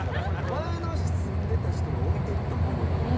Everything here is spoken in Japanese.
前の住んでた人が置いていったものなのか。